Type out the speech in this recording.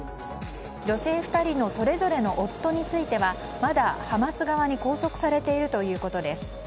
女性２人のそれぞれの夫についてはまだ、ハマス側に拘束されているということです。